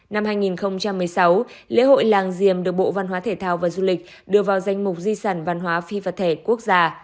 năm hai nghìn một mươi sáu lễ hội làng diềm được bộ văn hóa thể thao và du lịch đưa vào danh mục di sản văn hóa phi vật thể quốc gia